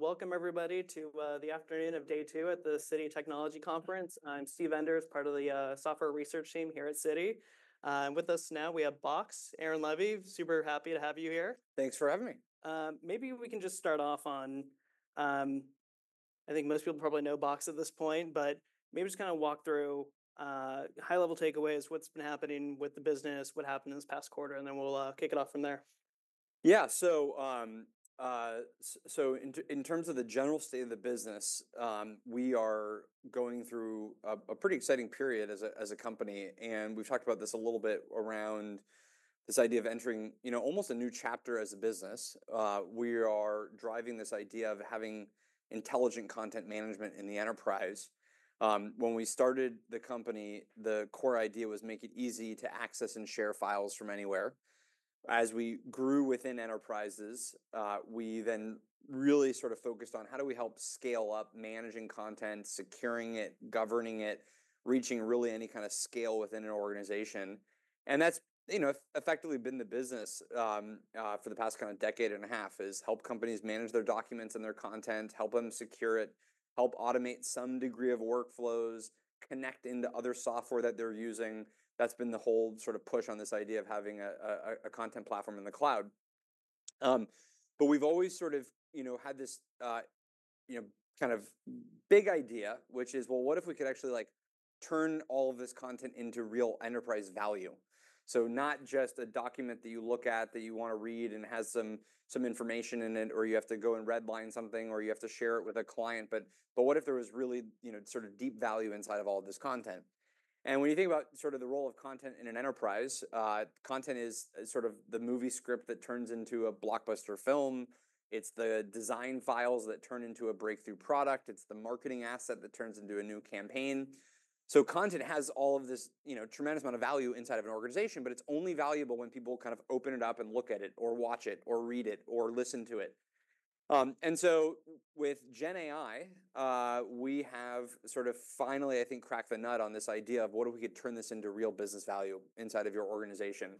Welcome, everybody, to the afternoon of day two at the Citi Technology Conference. I'm Steve Enders, part of the software research team here at Citi. With us now we have Box, Aaron Levie. Super happy to have you here. Thanks for having me. Maybe we can just start off on, I think most people probably know Box at this point, but maybe just kind of walk through high-level takeaways, what's been happening with the business, what happened in this past quarter, and then we'll kick it off from there. Yeah. So, in terms of the general state of the business, we are going through a pretty exciting period as a company, and we've talked about this a little bit around this idea of entering, you know, almost a new chapter as a business. We are driving this idea of having Intelligent Content Management in the enterprise. When we started the company, the core idea was make it easy to access and share files from anywhere. As we grew within enterprises, we then really sort of focused on: How do we help scale up managing content, securing it, governing it, reaching really any kind of scale within an organization? And that's, you know, effectively been the business for the past kind of decade and a half, is help companies manage their documents and their content, help them secure it, help automate some degree of workflows, connect into other software that they're using. That's been the whole sort of push on this idea of having a content platform in the cloud. But we've always sort of, you know, had this, you know, kind of big idea, which is, well, what if we could actually, like, turn all of this content into real enterprise value? So not just a document that you look at, that you want to read, and it has some information in it, or you have to go and redline something, or you have to share it with a client, but what if there was really, you know, sort of deep value inside of all this content? And when you think about sort of the role of content in an enterprise, content is sort of the movie script that turns into a blockbuster film. It's the design files that turn into a breakthrough product. It's the marketing asset that turns into a new campaign. So content has all of this, you know, tremendous amount of value inside of an organization, but it's only valuable when people kind of open it up and look at it or watch it or read it or listen to it. And so with GenAI, we have sort of finally, I think, cracked the nut on this idea of what if we could turn this into real business value inside of your organization.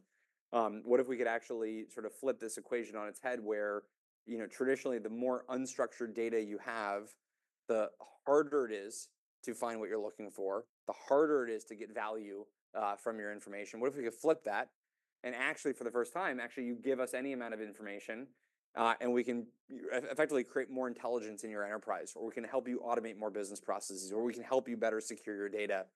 What if we could actually sort of flip this equation on its head, where, you know, traditionally, the more unstructured data you have, the harder it is to find what you're looking for, the harder it is to get value from your information. What if we could flip that, and actually, for the first time, actually, you give us any amount of information, and we can effectively create more intelligence in your enterprise, or we can help you automate more business processes, or we can help you better secure your data?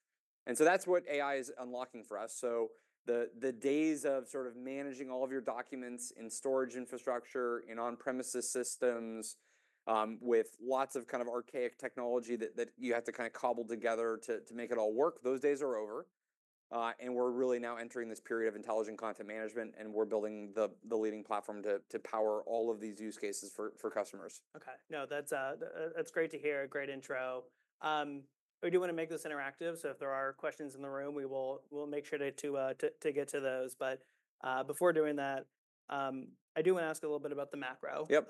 And so that's what AI is unlocking for us. So the days of sort of managing all of your documents in storage infrastructure, in on-premises systems, with lots of kind of archaic technology that you have to kind of cobble together to make it all work, those days are over. And we're really now entering this period of Intelligent Content Management, and we're building the leading platform to power all of these use cases for customers. Okay. No, that's great to hear, great intro. We do want to make this interactive, so if there are questions in the room, we'll make sure to get to those. But before doing that, I do want to ask a little bit about the macro. Yep.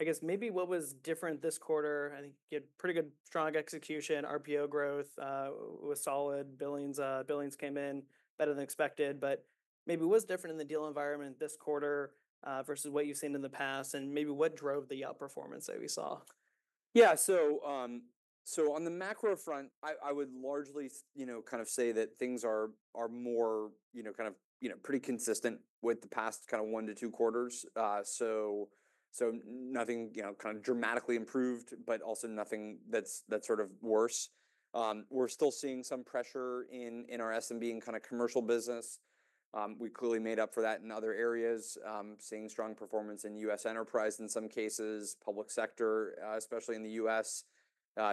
I guess maybe what was different this quarter? I think you had pretty good, strong execution, RPO growth was solid. Billings, billings came in better than expected, but maybe what's different in the deal environment this quarter versus what you've seen in the past, and maybe what drove the outperformance that we saw? Yeah, so on the macro front, I would largely, you know, kind of say that things are more, you know, kind of, you know, pretty consistent with the past kind of one to two quarters, so nothing, you know, kind of dramatically improved, but also nothing that's sort of worse. We're still seeing some pressure in our SMB and kind of commercial business. We clearly made up for that in other areas, seeing strong performance in U.S. enterprise, in some cases, public sector, especially in the U.S.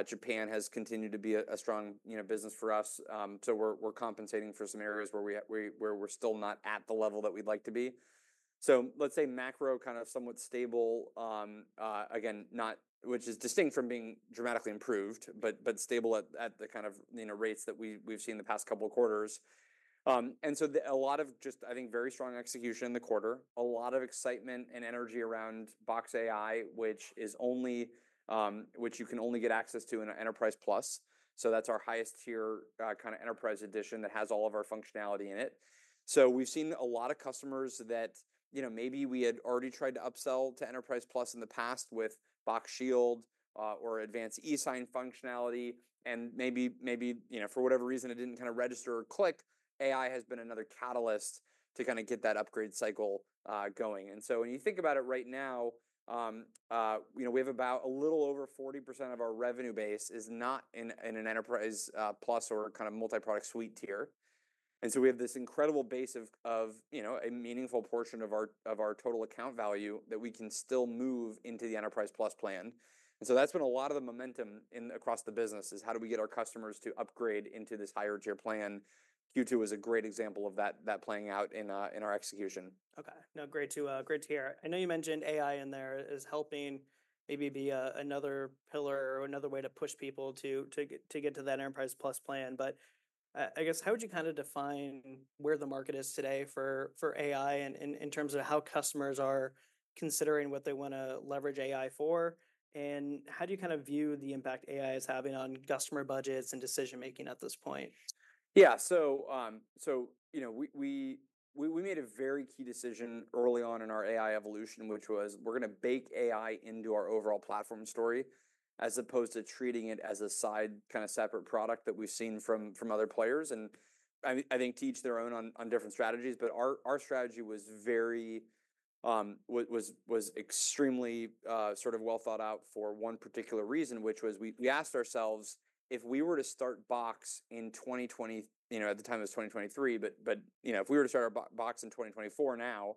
Japan has continued to be a strong, you know, business for us, so we're compensating for some areas where we're still not at the level that we'd like to be, so let's say macro, kind of somewhat stable, again, not; which is distinct from being dramatically improved, but stable at the kind of, you know, rates that we've seen in the past couple of quarters. And so a lot of just, I think, very strong execution in the quarter. A lot of excitement and energy around Box AI, which you can only get access to in Enterprise Plus, so that's our highest tier, kind of enterprise edition that has all of our functionality in it. So we've seen a lot of customers that, you know, maybe we had already tried to upsell to Enterprise Plus in the past with Box Shield, or advanced eSign functionality, and maybe, you know, for whatever reason, it didn't kind of register or click. AI has been another catalyst to kind of get that upgrade cycle going. And so when you think about it right now, you know, we have about a little over 40% of our revenue base is not in an Enterprise Plus or kind of multi-product suite tier. And so we have this incredible base of, you know, a meaningful portion of our total account value that we can still move into the Enterprise Plus plan. And so that's been a lot of the momentum across the business, is how do we get our customers to upgrade into this higher-tier plan? Q2 is a great example of that playing out in our execution. Okay. No, great to hear. I know you mentioned AI in there as helping maybe be another pillar or another way to push people to get to that Enterprise Plus plan. But, I guess how would you kind of define where the market is today for AI in terms of how customers are considering what they want to leverage AI for, and how do you kind of view the impact AI is having on customer budgets and decision-making at this point? Yeah, so, so, you know, we made a very key decision early on in our AI evolution, which was we're gonna bake AI into our overall platform story, as opposed to treating it as a side, kind of, separate product that we've seen from other players. And I think to each their own on different strategies, but our strategy was very, was extremely sort of well thought out for one particular reason, which was we asked ourselves, if we were to start Box in 2020, you know, at the time it was 2023, but you know, if we were to start our Box in 2024 now,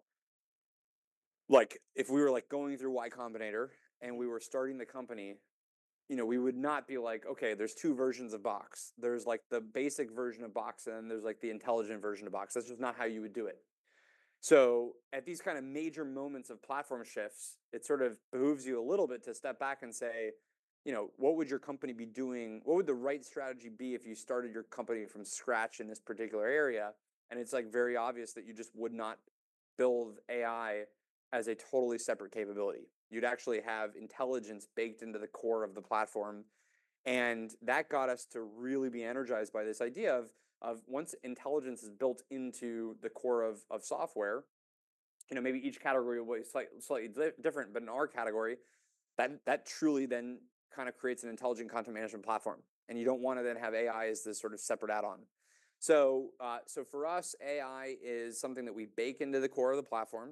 like, if we were like going through Y Combinator and we were starting the company, you know, we would not be like, "Okay, there's two versions of Box. There's, like, the basic version of Box, and then there's, like, the intelligent version of Box." That's just not how you would do it. So at these kind of major moments of platform shifts, it sort of behooves you a little bit to step back and say, you know, "What would your company be doing? What would the right strategy be if you started your company from scratch in this particular area?" And it's, like, very obvious that you just would not build AI as a totally separate capability. You'd actually have intelligence baked into the core of the platform, and that got us to really be energized by this idea of once intelligence is built into the core of software. You know, maybe each category will be slightly different, but in our category, that truly then kind of creates an Intelligent Content Management platform, and you don't want to then have AI as this sort of separate add-on. So, for us, AI is something that we bake into the core of the platform.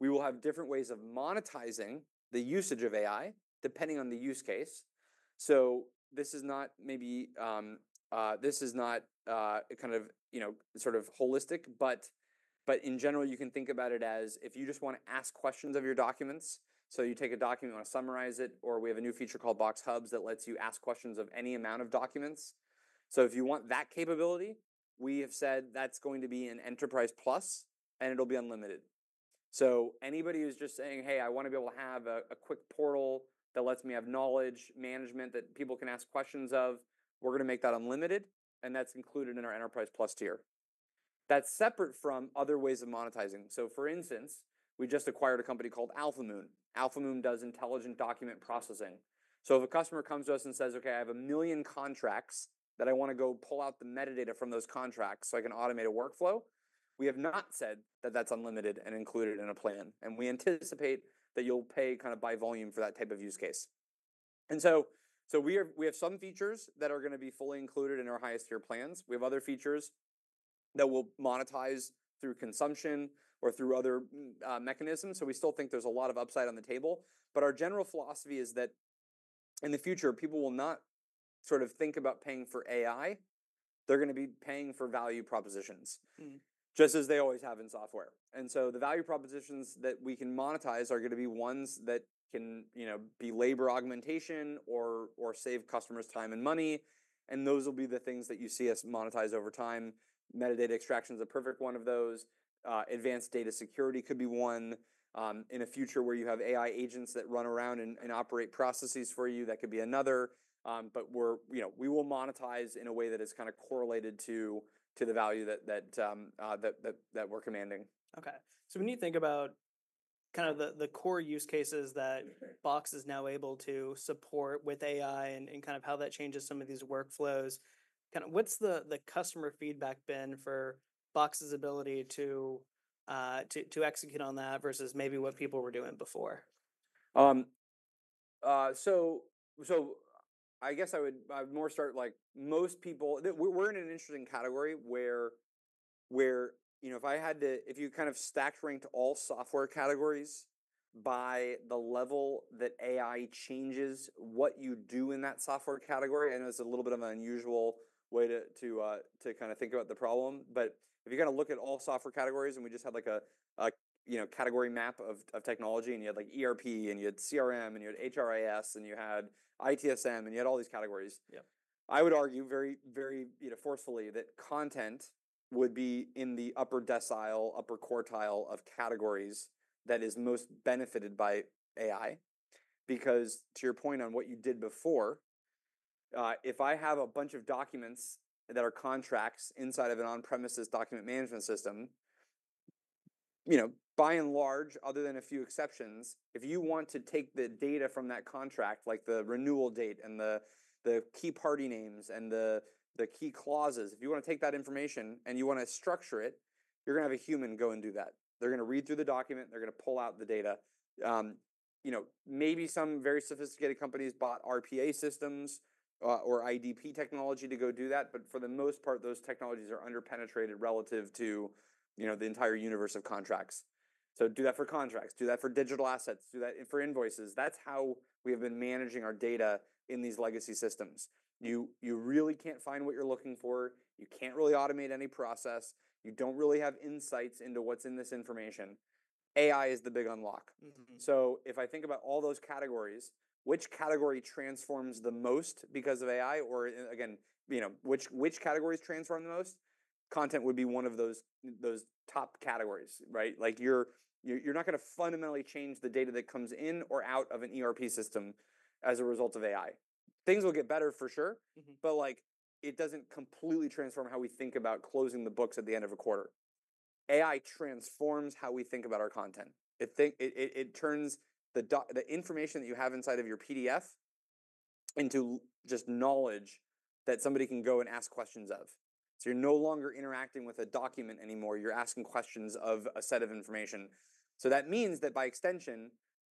We will have different ways of monetizing the usage of AI, depending on the use case. So this is not kind of, you know, sort of holistic, but in general, you can think about it as if you just want to ask questions of your documents, so you take a document, you wanna summarize it, or we have a new feature called Box Hubs that lets you ask questions of any amount of documents. So if you want that capability, we have said that's going to be an Enterprise Plus, and it'll be unlimited. So anybody who's just saying, "Hey, I want to be able to have a quick portal that lets me have knowledge management that people can ask questions of," we're gonna make that unlimited, and that's included in our Enterprise Plus tier. That's separate from other ways of monetizing. So, for instance, we just acquired a company called Alphamoon. Alphamoon does intelligent document processing. So if a customer comes to us and says, "Okay, I have a million contracts that I want to go pull out the metadata from those contracts, so I can automate a workflow," we have not said that that's unlimited and included in a plan, and we anticipate that you'll pay kind of by volume for that type of use case. And we have some features that are gonna be fully included in our highest-tier plans. We have other features that will monetize through consumption or through other mechanisms, so we still think there's a lot of upside on the table. But our general philosophy is that in the future, people will not sort of think about paying for AI. They're gonna be paying for value propositions... Mm-hmm.... just as they always have in software, and so the value propositions that we can monetize are gonna be ones that can, you know, be labor augmentation or save customers time and money, and those will be the things that you see us monetize over time. Metadata extraction's a perfect one of those. Advanced data security could be one. In a future where you have AI agents that run around and operate processes for you, that could be another. But you know, we will monetize in a way that is kind of correlated to the value that we're commanding. Okay. So when you think about kind of the core use cases that Box is now able to support with AI and kind of how that changes some of these workflows, kind of, what's the customer feedback been for Box's ability to execute on that versus maybe what people were doing before? We're in an interesting category where, you know, if I had to, if you kind of stack ranked all software categories by the level that AI changes what you do in that software category, I know it's a little bit of an unusual way to kind of think about the problem, but if you're gonna look at all software categories and we just had like a you know category map of technology, and you had like ERP, and you had CRM, and you had HRIS, and you had ITSM, and you had all these categories- Yeah. I would argue very, very, you know, forcefully that content would be in the upper decile, upper quartile of categories that is most benefited by AI. Because to your point on what you did before, if I have a bunch of documents that are contracts inside of an on-premises document management system, you know, by and large, other than a few exceptions, if you want to take the data from that contract, like the renewal date and the key party names and the key clauses, if you wanna take that information and you wanna structure it, you're gonna have a human go and do that. They're gonna read through the document, and they're gonna pull out the data. You know, maybe some very sophisticated companies bought RPA systems or IDP technology to go do that, but for the most part, those technologies are under-penetrated relative to, you know, the entire universe of contracts. So do that for contracts. Do that for digital assets. Do that for invoices. That's how we have been managing our data in these legacy systems. You really can't find what you're looking for. You can't really automate any process. You don't really have insights into what's in this information. AI is the big unlock. Mm-hmm. So if I think about all those categories, which category transforms the most because of AI? Or again, you know, which categories transform the most? Content would be one of those top categories, right? Like, you're not gonna fundamentally change the data that comes in or out of an ERP system as a result of AI. Things will get better for sure. Mm-hmm. But, like, it doesn't completely transform how we think about closing the books at the end of a quarter. AI transforms how we think about our content. It turns the information that you have inside of your PDF into just knowledge that somebody can go and ask questions of. So you're no longer interacting with a document anymore, you're asking questions of a set of information. So that means that by extension,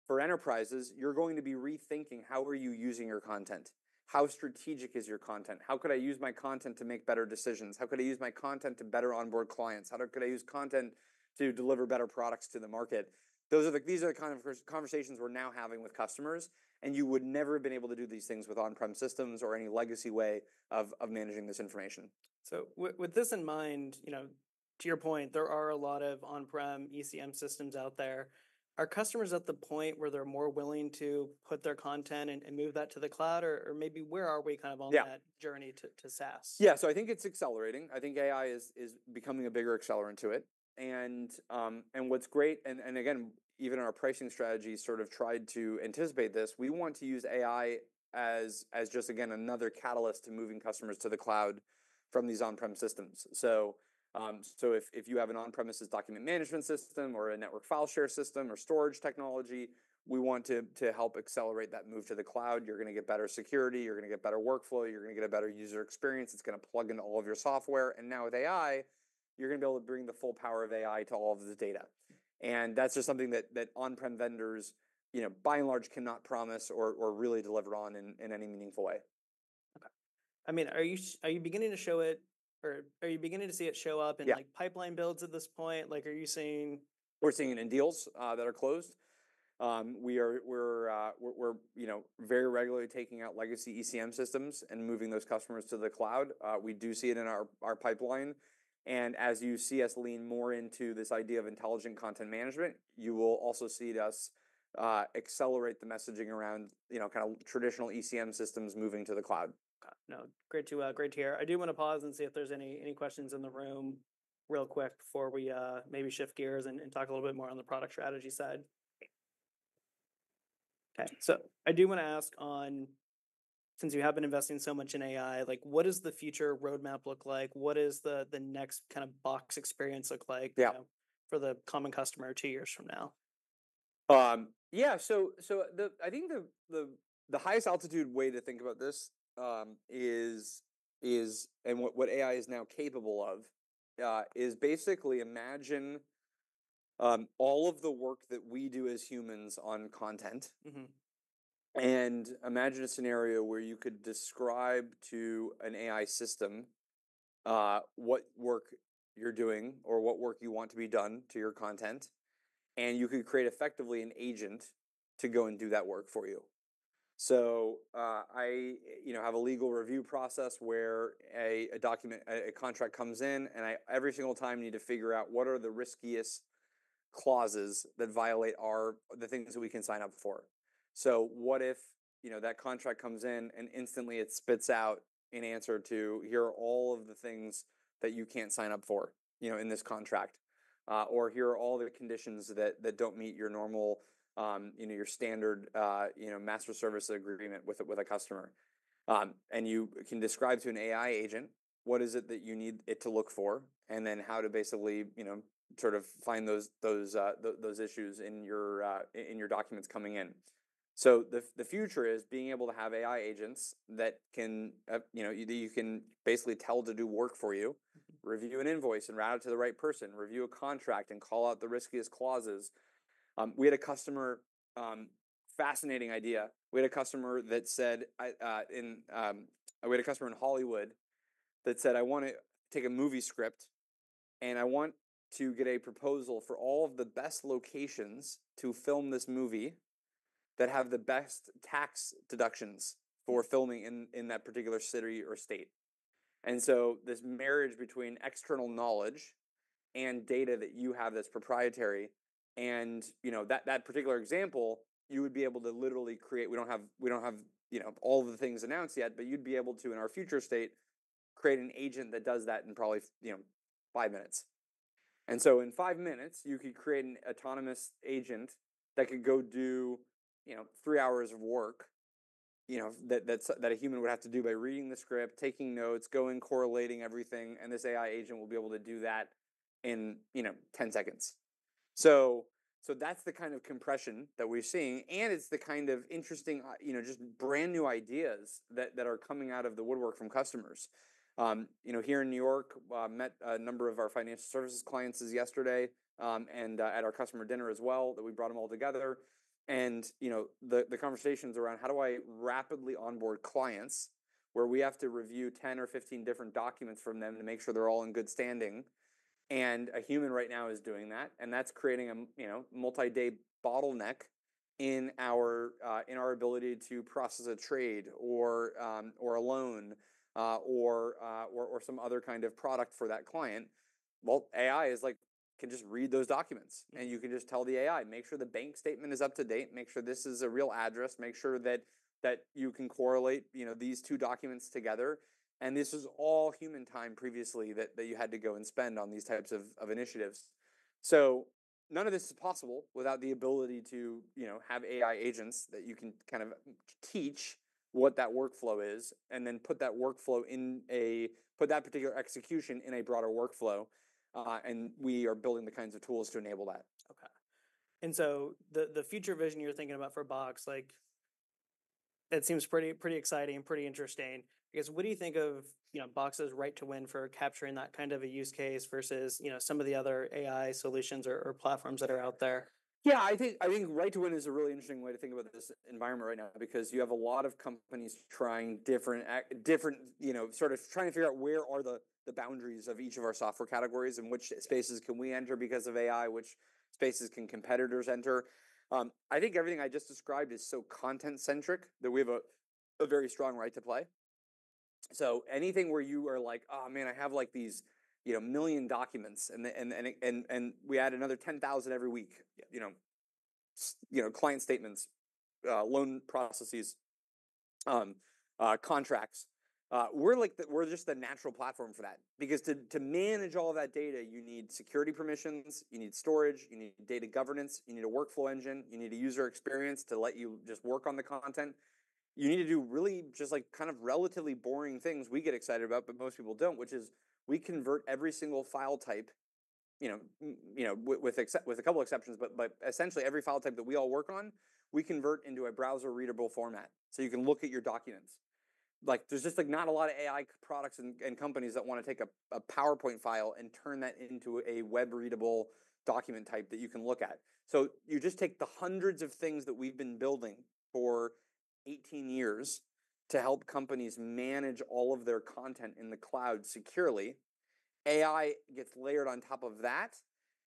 for enterprises, you're going to be rethinking, how are you using your content? How strategic is your content? How could I use my content to make better decisions? How could I use my content to better onboard clients? How could I use content to deliver better products to the market? Those are the kind of conversations we're now having with customers, and you would never have been able to do these things with on-prem systems or any legacy way of managing this information. With this in mind, you know, to your point, there are a lot of on-prem ECM systems out there. Are customers at the point where they're more willing to put their content and move that to the cloud? Or maybe where are we kind of on... Yeah.... that journey to SaaS? Yeah, so I think it's accelerating. I think AI is becoming a bigger accelerant to it. And what's great, and again, even our pricing strategy sort of tried to anticipate this. We want to use AI as just again another catalyst to moving customers to the cloud from these on-prem systems. So if you have an on-premises document management system or a network file share system or storage technology, we want to help accelerate that move to the cloud. You're gonna get better security. You're gonna get better workflow. You're gonna get a better user experience. It's gonna plug into all of your software, and now with AI, you're gonna be able to bring the full power of AI to all of the data. That's just something that on-prem vendors, you know, by and large, cannot promise or really deliver on in any meaningful way. Okay. I mean, are you beginning to show it or are you beginning to see it show up in... Yeah.... like pipeline builds at this point? Like, are you seeing- We're seeing it in deals that are closed. We're you know very regularly taking out legacy ECM systems and moving those customers to the cloud. We do see it in our pipeline, and as you see us lean more into this idea of Intelligent Content Management, you will also see us accelerate the messaging around you know kind of traditional ECM systems moving to the cloud. No, great to hear. I do wanna pause and see if there's any questions in the room real quick before we maybe shift gears and talk a little bit more on the product strategy side. Okay, so I do wanna ask on, since you have been investing so much in AI, like, what does the future roadmap look like? What does the next kind of Box experience look like... Yeah.... for the common customer two years from now? Yeah, so I think the highest altitude way to think about this is, and what AI is now capable of is basically imagine all of the work that we do as humans on content. Mm-hmm. Imagine a scenario where you could describe to an AI system, what work you're doing or what work you want to be done to your content, and you could create, effectively, an agent to go and do that work for you. So, I, you know, have a legal review process where a document, a contract comes in, and I, every single time, need to figure out what are the riskiest clauses that violate our, the things that we can sign up for. So what if, you know, that contract comes in, and instantly it spits out an answer to, "Here are all of the things that you can't sign up for, you know, in this contract." Or, "Here are all the conditions that don't meet your normal, you know, your standard, you know, master service agreement with a customer."? And you can describe to an AI agent, what is it that you need it to look for, and then how to basically, you know, sort of find those issues in your documents coming in. So the future is being able to have AI agents that can, you know, you can basically tell to do work for you. Mm-hmm. Review an invoice and route it to the right person, review a contract and call out the riskiest clauses. We had a customer, fascinating idea. We had a customer in Hollywood that said, "I want to take a movie script, and I want to get a proposal for all of the best locations to film this movie that have the best tax deductions for filming in that particular city or state." And so this marriage between external knowledge and data that you have that's proprietary and, you know, that particular example, you would be able to literally create. We don't have, you know, all the things announced yet, but you'd be able to, in our future state, create an agent that does that in probably, you know, five minutes. And so, in five minutes, you could create an autonomous agent that could go do, you know, three hours of work, you know, that a human would have to do by reading the script, taking notes, going, correlating everything, and this AI agent will be able to do that in, you know, ten seconds. So that's the kind of compression that we're seeing, and it's the kind of interesting, you know, just brand-new ideas that are coming out of the woodwork from customers. You know, here in New York, I met a number of our financial services clients just yesterday, and at our customer dinner as well, that we brought them all together, and you know, the conversation's around how do I rapidly onboard clients where we have to review 10 or 15 different documents from them to make sure they're all in good standing? And a human right now is doing that, and that's creating a you know, multi-day bottleneck in our ability to process a trade or a loan or some other kind of product for that client. Well, AI is like, can just read those documents... Mm-hmm.... and you can just tell the AI, "Make sure the bank statement is up to date. Make sure this is a real address. Make sure that you can correlate, you know, these two documents together." And this was all human time previously, that you had to go and spend on these types of initiatives. So none of this is possible without the ability to, you know, have AI agents that you can kind of teach what that workflow is, and then put that particular execution in a broader workflow. And we are building the kinds of tools to enable that. Okay. And so the, the future vision you're thinking about for Box, like, it seems pretty, pretty exciting and pretty interesting. Because what do you think of, you know, Box's right to win for capturing that kind of a use case versus, you know, some of the other AI solutions or, or platforms that are out there? Yeah, I think, I think right to win is a really interesting way to think about this environment right now, because you have a lot of companies trying different, you know, sort of trying to figure out where are the boundaries of each of our software categories, and which spaces can we enter because of AI? Which spaces can competitors enter? I think everything I just described is so content-centric that we have a very strong right to play. So anything where you are like, "Oh, man, I have, like, these, you know, million documents, and we add another ten thousand every week," you know, client statements, loan processes, contracts. We're just the natural platform for that. Because to manage all that data, you need security permissions, you need storage, you need data governance, you need a workflow engine, you need a user experience to let you just work on the content. You need to do really just, like, kind of relatively boring things we get excited about, but most people don't, which is we convert every single file type, you know, with a couple of exceptions, but essentially every file type that we all work on, we convert into a browser-readable format, so you can look at your documents. Like, there's just, like, not a lot of AI products and companies that want to take a PowerPoint file and turn that into a web-readable document type that you can look at. So you just take the hundreds of things that we've been building for eighteen years to help companies manage all of their content in the cloud securely. AI gets layered on top of that.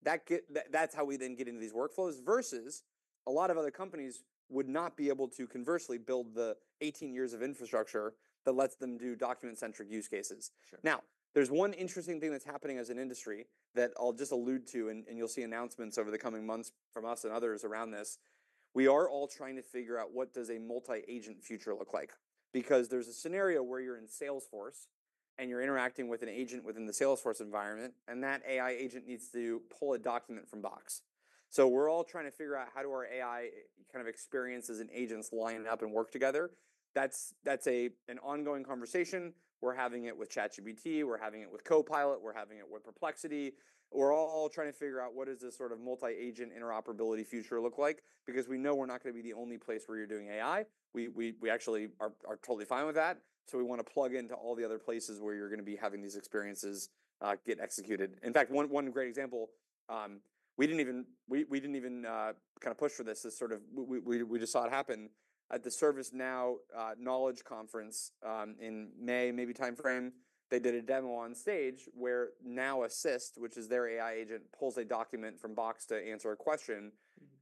That's how we then get into these workflows. Versus a lot of other companies would not be able to conversely build the eighteen years of infrastructure that lets them do document-centric use cases. Sure. Now, there's one interesting thing that's happening as an industry that I'll just allude to, and you'll see announcements over the coming months from us and others around this. We are all trying to figure out, what does a multi-agent future look like? Because there's a scenario where you're in Salesforce, and you're interacting with an agent within the Salesforce environment, and that AI agent needs to pull a document from Box. So we're all trying to figure out, how do our AI kind of experiences and agents line up and work together? That's an ongoing conversation. We're having it with ChatGPT, we're having it with Copilot, we're having it with Perplexity. We're all trying to figure out, what does this sort of multi-agent interoperability future look like? Because we know we're not going to be the only place where you're doing AI. We actually are totally fine with that, so we want to plug into all the other places where you're going to be having these experiences get executed. In fact, one great example, we didn't even kind of push for this, as sort of. We just saw it happen. At the ServiceNow Knowledge Conference in May, maybe timeframe, they did a demo on stage where Now Assist, which is their AI agent, pulls a document from Box to answer a question,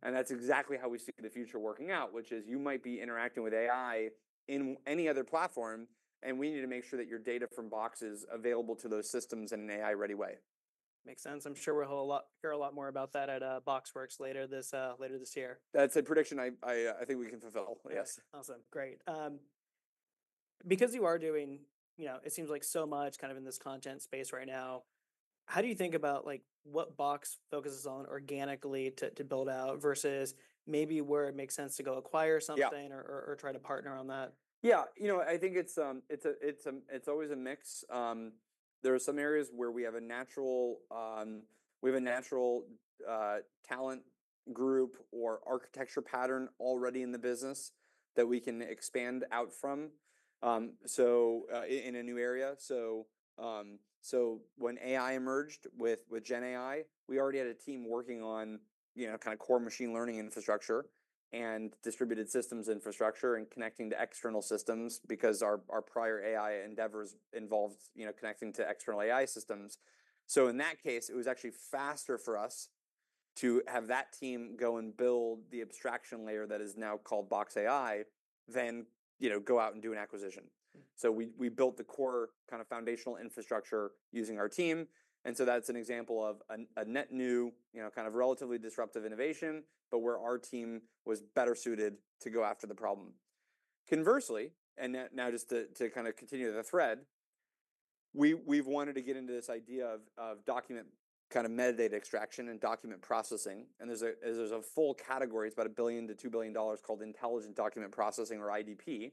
and that's exactly how we see the future working out, which is you might be interacting with AI in any other platform, and we need to make sure that your data from Box is available to those systems in an AI-ready way. Makes sense. I'm sure we'll hear a lot more about that at BoxWorks later this year. That's a prediction I think we can fulfill, yes. Awesome, great. Because you are doing, you know, it seems like so much kind of in this content space right now, how do you think about, like, what Box focuses on organically to build out versus maybe where it makes sense to go acquire something... Yeah.... or try to partner on that? Yeah. You know, I think it's always a mix. There are some areas where we have a natural talent group or architecture pattern already in the business that we can expand out from. So in a new area. So when AI emerged with GenAI, we already had a team working on, you know, kind of core machine learning infrastructure and distributed systems infrastructure and connecting to external systems because our prior AI endeavors involved, you know, connecting to external AI systems. So in that case, it was actually faster for us to have that team go and build the abstraction layer that is now called Box AI than, you know, go out and do an acquisition. Mm. So we built the core kind of foundational infrastructure using our team, and so that's an example of a net new, you know, kind of relatively disruptive innovation, but where our team was better suited to go after the problem. Conversely, and now just to kind of continue the thread, we've wanted to get into this idea of document kind of metadata extraction and document processing, and there's a full category, it's about $1 billion-$2 billion, called intelligent document processing or IDP.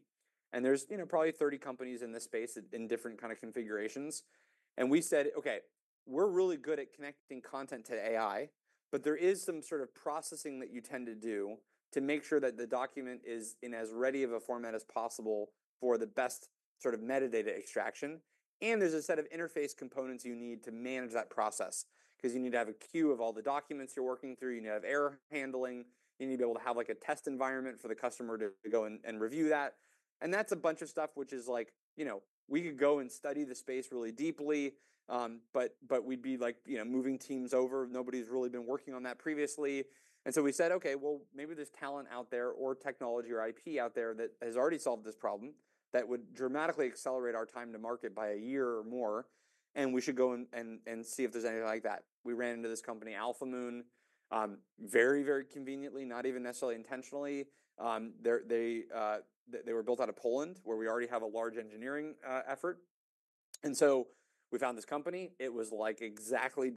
And there's, you know, probably 30 companies in this space in different kind of configurations. We said: Okay, we're really good at connecting content to AI, but there is some sort of processing that you tend to do to make sure that the document is in as ready of a format as possible for the best sort of metadata extraction. And there's a set of interface components you need to manage that process. 'Cause you need to have a queue of all the documents you're working through, you need to have error handling, you need to be able to have, like, a test environment for the customer to go and review that. And that's a bunch of stuff which is like, you know, we could go and study the space really deeply, but we'd be like, you know, moving teams over. Nobody's really been working on that previously. And so we said, "Okay, well, maybe there's talent out there or technology or IP out there that has already solved this problem, that would dramatically accelerate our time to market by a year or more, and we should go and see if there's anything like that." We ran into this company, Alphamoon, very, very conveniently, not even necessarily intentionally. They're built out of Poland, where we already have a large engineering effort, and so we found this company. It was, like, exactly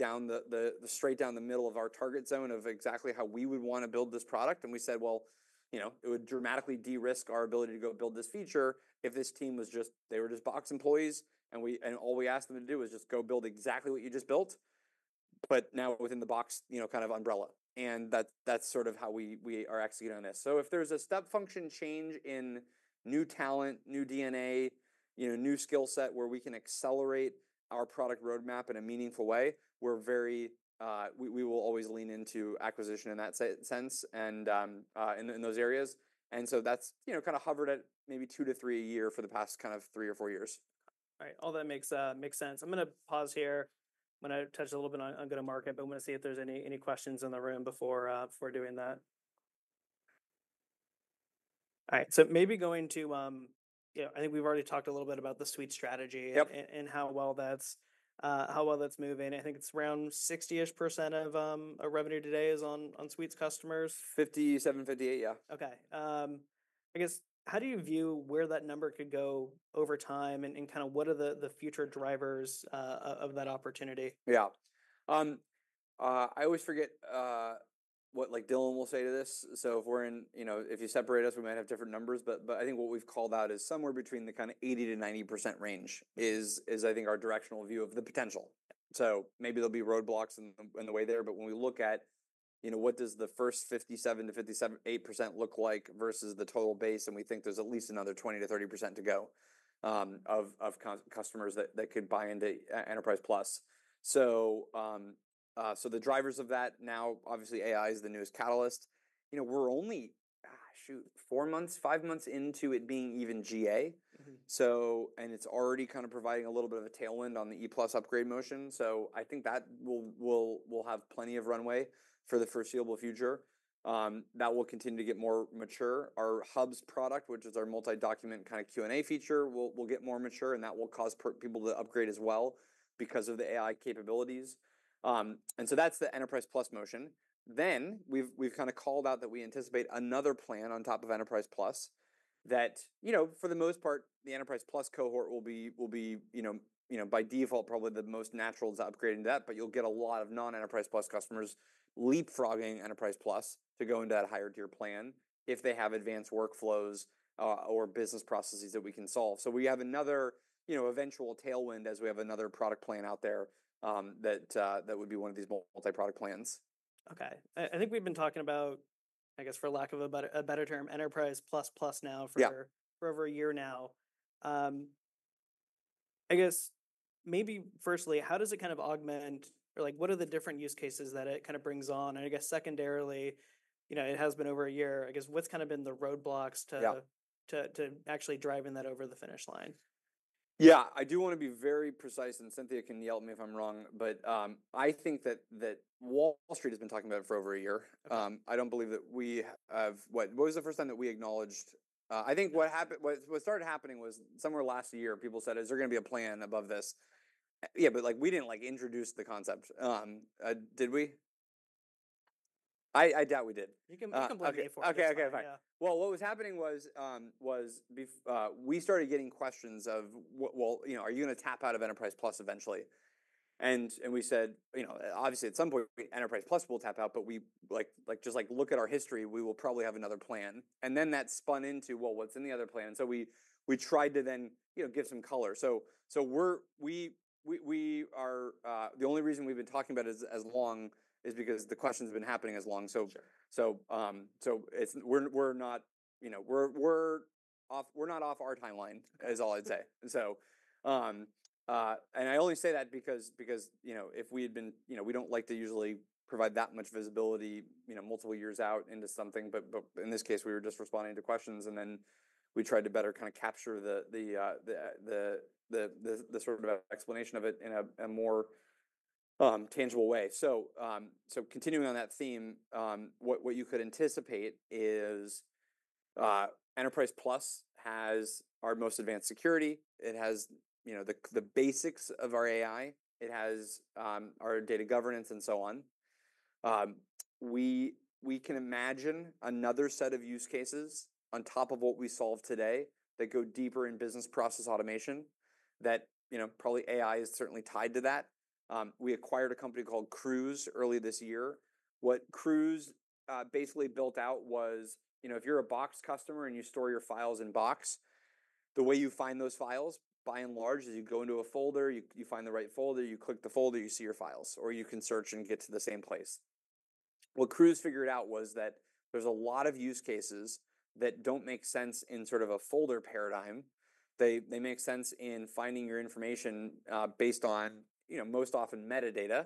straight down the middle of our target zone of exactly how we would want to build this product. And we said, "Well, you know, it would dramatically de-risk our ability to go build this feature if this team was just they were just Box employees, and all we asked them to do is just go build exactly what you just built, but now within the Box, you know, kind of umbrella." And that's sort of how we are executing on this. So if there's a step function change in new talent, new DNA, you know, new skill set, where we can accelerate our product roadmap in a meaningful way, we're very we will always lean into acquisition in that sense and in those areas. And so that's, you know, kind of hovered at maybe two to three a year for the past kind of three or four years. Right. All that makes sense. I'm going to pause here. I'm going to touch a little bit on go-to-market, but I'm going to see if there's any questions in the room before doing that. All right, so maybe going to, you know, I think we've already talked a little bit about the Suite strategy... Yep.... and how well that's moving. I think it's around 60-ish% of our revenue today is on Suites customers. Fifty-seven, fifty-eight, yeah. Okay, I guess, how do you view where that number could go over time, and kind of what are the future drivers of that opportunity? Yeah. I always forget what, like, Dylan will say to this. So if we're in, you know, if you separate us, we might have different numbers. But I think what we've called out is somewhere between the kind of 80%-90% range is I think our directional view of the potential. So maybe there'll be roadblocks in the way there, but when we look at, you know, what does the first 57%-58% look like versus the total base, and we think there's at least another 20%-30% to go of customers that could buy into Enterprise Plus. So the drivers of that now, obviously, AI is the newest catalyst. You know, we're only four months, five months into it being even GA. Mm-hmm. It's already kind of providing a little bit of a tailwind on the E Plus upgrade motion, so I think that will have plenty of runway for the foreseeable future. That will continue to get more mature. Our Hubs product, which is our multi-document kind of Q&A feature, will get more mature, and that will cause people to upgrade as well because of the AI capabilities. And so that's the Enterprise Plus motion. Then, we've kind of called out that we anticipate another plan on top of Enterprise Plus, that you know, for the most part, the Enterprise Plus cohort will be you know, by default, probably the most natural to upgrade into that. But you'll get a lot of non-Enterprise Plus customers leapfrogging Enterprise Plus to go into that higher tier plan if they have advanced workflows, or business processes that we can solve. So we have another, you know, eventual tailwind as we have another product plan out there, that would be one of these multi-product plans. Okay. I think we've been talking about, I guess, for lack of a better term, Enterprise Plus Plus now for... Yeah.... for over a year now. I guess maybe firstly, how does it kind of augment, or like what are the different use cases that it kind of brings on? And I guess secondarily, you know, it has been over a year, I guess what's kind of been the roadblocks to... Yeah.... to actually driving that over the finish line? Yeah, I do want to be very precise, and Cynthia can yell at me if I'm wrong, but I think that Wall Street has been talking about it for over a year. I don't believe that we have; what was the first time that we acknowledged? I think what happened, what started happening was somewhere last year, people said, "Is there going to be a plan above this?" Yeah, but, like, we didn't, like, introduce the concept. Did we? I doubt we did. You can, you can blame me for it. Okay, okay, fine. Yeah. Well, what was happening was, we started getting questions of: Well, well, you know, are you going to tap out of Enterprise Plus eventually? And we said, "You know, obviously, at some point, Enterprise Plus will tap out, but we, like, just like look at our history, we will probably have another plan." And then that spun into, "Well, what's in the other plan?" So we tried to then, you know, give some color. So, we're the only reason we've been talking about it as long as because the question's been happening as long. So, so, we're not, you know, we're not off our timeline, is all I'd say, so and I only say that because, you know, if we had been, you know, we don't like to usually provide that much visibility, you know, multiple years out into something. But in this case, we were just responding to questions, and then we tried to better kind of capture the sort of explanation of it in a more tangible way, so continuing on that theme, what you could anticipate is Enterprise Plus has our most advanced security. It has, you know, the basics of our AI. It has our data governance and so on. We can imagine another set of use cases on top of what we solve today that go deeper in business process automation, that, you know, probably AI is certainly tied to that. We acquired a company called Crooze earlier this year. What Crooze basically built out was, you know, if you're a Box customer and you store your files in Box, the way you find those files, by and large, is you go into a folder, you find the right folder, you click the folder, you see your files, or you can search and get to the same place. What Crooze figured out was that there's a lot of use cases that don't make sense in sort of a folder paradigm. They make sense in finding your information based on, you know, most often metadata,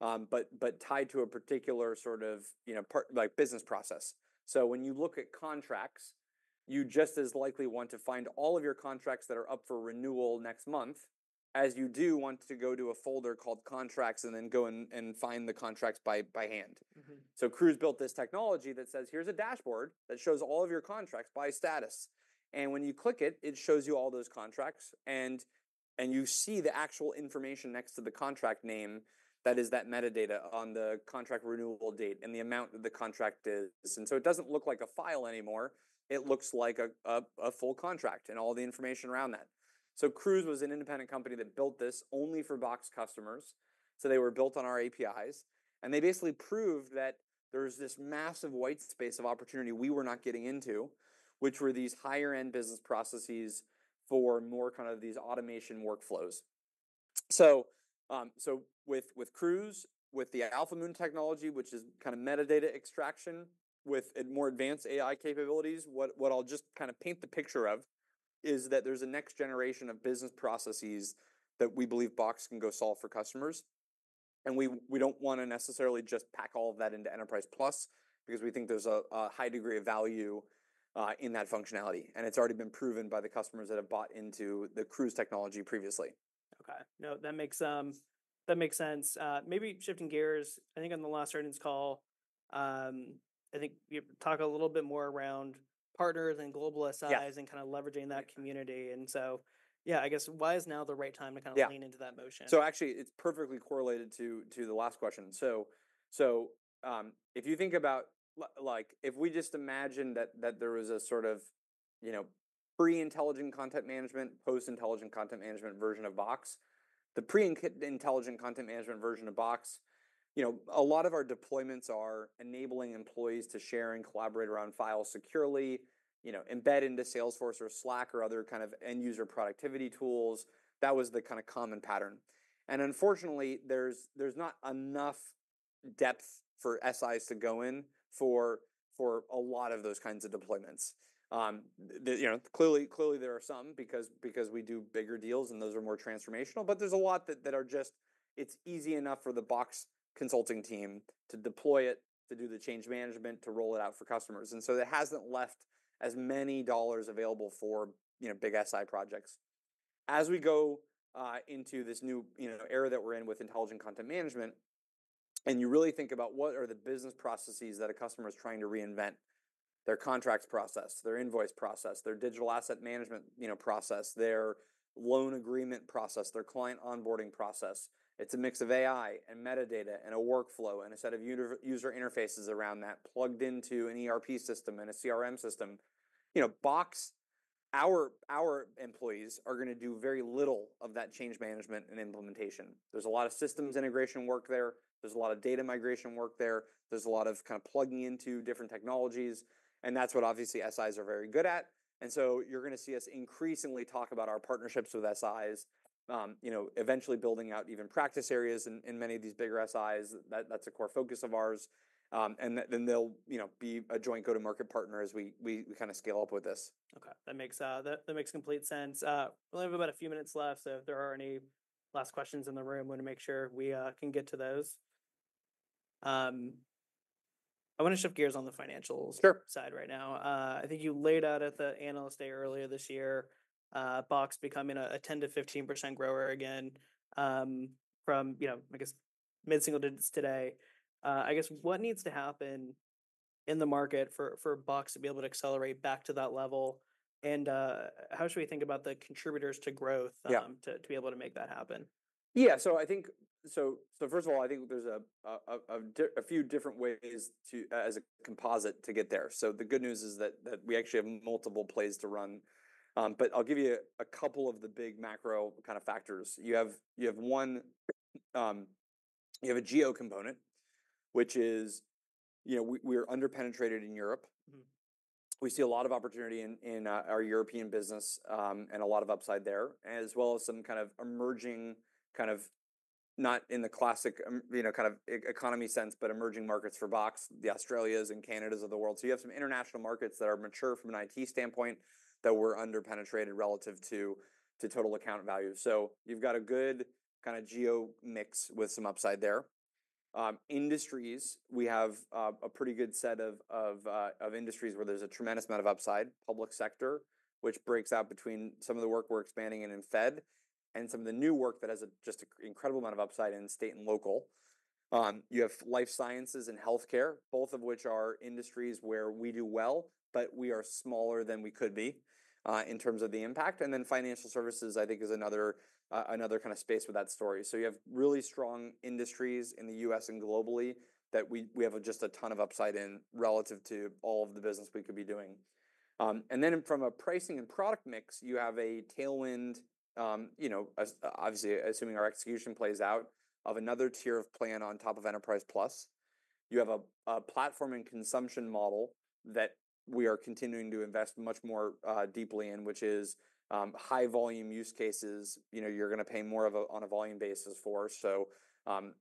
but tied to a particular sort of, you know, part like business process. So when you look at contracts, you just as likely want to find all of your contracts that are up for renewal next month, as you do want to go to a folder called Contracts and then go and find the contracts by hand. Mm-hmm. Crooze built this technology that says, "Here's a dashboard that shows all of your contracts by status," and when you click it, it shows you all those contracts, and you see the actual information next to the contract name that is that metadata on the contract renewable date and the amount that the contract is. It doesn't look like a file anymore. It looks like a full contract and all the information around that. Crooze was an independent company that built this only for Box customers, so they were built on our APIs, and they basically proved that there's this massive white space of opportunity we were not getting into, which were these higher-end business processes for more kind of these automation workflows. So, with Crooze, with the Alphamoon technology, which is kind of metadata extraction with more advanced AI capabilities, what I'll just kind of paint the picture of is that there's a next generation of business processes that we believe Box can go solve for customers, and we don't want to necessarily just pack all of that into Enterprise Plus because we think there's a high degree of value in that functionality, and it's already been proven by the customers that have bought into the Crooze technology previously. Okay. No, that makes, that makes sense. Maybe shifting gears, I think on the last earnings call, I think we talked a little bit more around partners and global SIs... Yeah.... and kind of leveraging that community, and so, yeah, I guess why is now the right time to kind of... Yeah.... lean into that motion? Actually, it's perfectly correlated to the last question. If you think about like, if we just imagine that there was a sort of, you know, pre-Intelligent Content Management, post-Intelligent Content Management version of Box, the pre-Intelligent Content Management version of Box, you know, a lot of our deployments are enabling employees to share and collaborate around files securely, you know, embed into Salesforce or Slack or other kind of end-user productivity tools. That was the kind of common pattern, and unfortunately, there's not enough depth for SIs to go in for a lot of those kinds of deployments. You know, clearly there are some, because we do bigger deals, and those are more transformational, but there's a lot that are just; it's easy enough for the Box Consulting team to deploy it, to do the change management, to roll it out for customers, and so it hasn't left as many dollars available for, you know, big SI projects. As we go into this new, you know, era that we're in with Intelligent Content Management, and you really think about what are the business processes that a customer is trying to reinvent, their contracts process, their invoice process, their digital asset management, you know, process, their loan agreement process, their client onboarding process. It's a mix of AI and metadata and a workflow and a set of user interfaces around that plugged into an ERP system and a CRM system. You know, Box, our employees are gonna do very little of that change management and implementation. There's a lot of systems integration work there. There's a lot of data migration work there. There's a lot of kind of plugging into different technologies, and that's what, obviously, SIs are very good at, and so you're gonna see us increasingly talk about our partnerships with SIs, you know, eventually building out even practice areas in many of these bigger SIs. That's a core focus of ours, and then they'll, you know, be a joint go-to-market partner as we kinda scale up with this. Okay, that makes complete sense. We only have about a few minutes left, so if there are any last questions in the room, want to make sure we can get to those. I want to shift gears on the financial... Sure.... side right now. I think you laid out at the analyst day earlier this year, Box becoming a 10%-15% grower again, from, you know, I guess, mid-single digits today. I guess, what needs to happen in the market for Box to be able to accelerate back to that level? And, how should we think about the contributors to growth... Yeah.... to be able to make that happen? Yeah, so I think first of all, I think there's a few different ways to, as a composite, to get there. So the good news is that we actually have multiple plays to run, but I'll give you a couple of the big macro kind of factors. You have one. You have a geo component, which is, you know, we're under-penetrated in Europe. Mm-hmm. We see a lot of opportunity in our European business, and a lot of upside there, as well as some kind of emerging, kind of, not in the classic, you know, kind of e-economy sense, but emerging markets for Box, the Australias and Canadas of the world. So you have some international markets that are mature from an IT standpoint, that we're under-penetrated relative to total account value. So you've got a good kind of geo mix with some upside there. Industries, we have a pretty good set of industries where there's a tremendous amount of upside. Public sector, which breaks out between some of the work we're expanding in Fed, and some of the new work that has just an incredible amount of upside in state and local. You have life sciences and healthcare, both of which are industries where we do well, but we are smaller than we could be in terms of the impact. And then financial services, I think, is another kind of space with that story. So you have really strong industries in the U.S. and globally that we have just a ton of upside in relative to all of the business we could be doing. And then from a pricing and product mix, you have a tailwind, you know, as obviously, assuming our execution plays out, of another tier of plan on top of Enterprise Plus. You have a platform and consumption model that we are continuing to invest much more deeply in, which is high volume use cases. You know, you're gonna pay more of a on a volume basis for. So,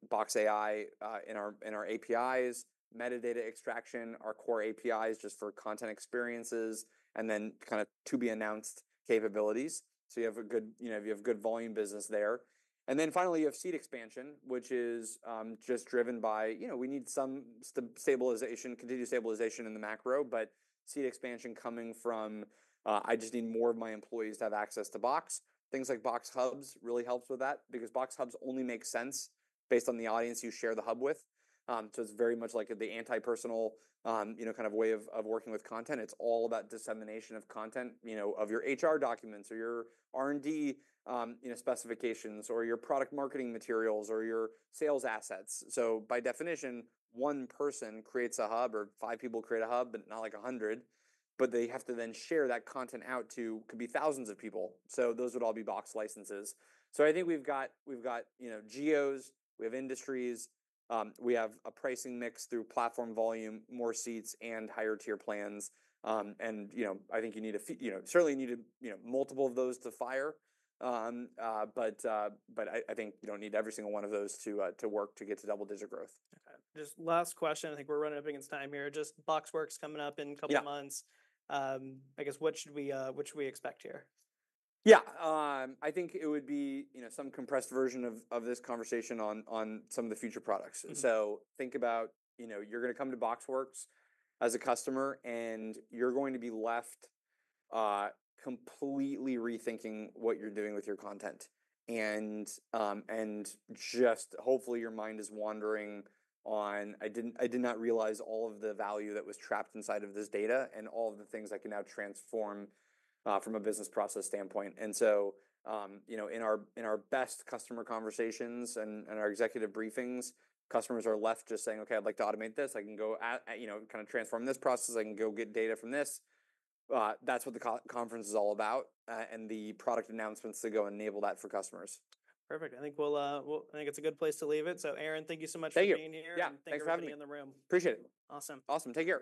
Box AI in our APIs, metadata extraction, our core APIs just for content experiences, and then kinda to-be-announced capabilities. So you have a good, you know, you have good volume business there. And then finally, you have seat expansion, which is just driven by, you know, we need some stabilization, continued stabilization in the macro, but seat expansion coming from, I just need more of my employees to have access to Box. Things like Box Hubs really helps with that because Box Hubs only make sense based on the audience you share the hub with. So it's very much like the anti-personal, you know, kind of way of working with content. It's all about dissemination of content, you know, of your HR documents or your R&D, you know, specifications, or your product marketing materials, or your sales assets. So by definition, one person creates a hub, or five people create a hub, but not, like, 100. But they have to then share that content out to could be thousands of people, so those would all be Box licenses. So I think we've got, you know, geos, we have industries, we have a pricing mix through platform volume, more seats, and higher-tier plans. And, you know, I think you need, you know, certainly need, you know, multiple of those to fire. But I think you don't need every single one of those to work to get to double-digit growth. Okay, just last question. I think we're running up against time here. Just BoxWorks coming up in a couple months. Yeah. I guess what should we expect here? Yeah, I think it would be, you know, some compressed version of this conversation on some of the future products. Mm-hmm. So think about, you know, you're gonna come to BoxWorks as a customer, and you're going to be left completely rethinking what you're doing with your content. And and just hopefully your mind is wandering on, "I didn't, I did not realize all of the value that was trapped inside of this data, and all of the things I can now transform from a business process standpoint." And so you know, in our best customer conversations and our executive briefings, customers are left just saying, "Okay, I'd like to automate this. I can go you know, kind of transform this process. I can go get data from this." That's what the conference is all about, and the product announcements to go enable that for customers. Perfect. I think it's a good place to leave it. So, Aaron, thank you so much for being here... Thank you. Yeah, thanks for having me.... Thanks for being in the room. Appreciate it. Awesome. Awesome. Take care.